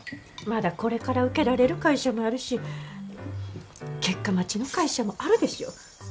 まだこれから受けられる会社もあるし結果待ちの会社もあるでしょ。